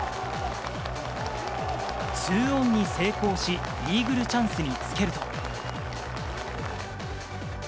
２オンに成功し、イーグルチャンスにつけると。